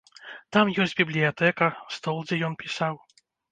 Там ёсць бібліятэка, стол, дзе ён пісаў.